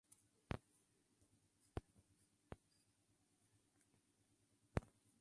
El mánager campeón fue Jaime Favela.